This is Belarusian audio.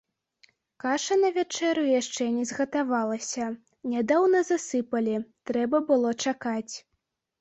Каша на вячэру яшчэ не згатавалася, нядаўна засыпалі, трэба было чакаць.